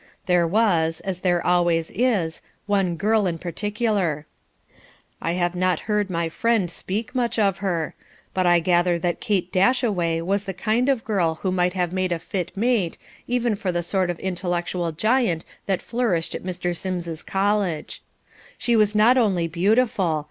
There was, as there always is, one girl in particular. I have not heard my friend speak much of her. But I gather that Kate Dashaway was the kind of girl who might have made a fit mate even for the sort of intellectual giant that flourished at Mr. Sims's college. She was not only beautiful.